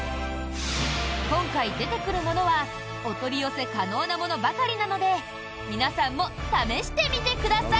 今回出てくるものはお取り寄せ可能なものばかりなので皆さんも試してみてください！